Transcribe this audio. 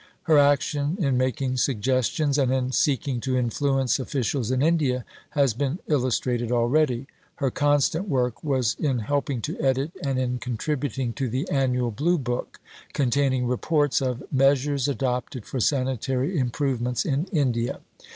Her action, in making suggestions and in seeking to influence officials in India, has been illustrated already. Her constant work was in helping to edit and in contributing to the Annual Blue book containing reports of "measures adopted for sanitary improvements in India."